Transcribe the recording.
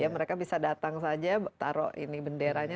mereka bisa datang saja taruh ini benderanya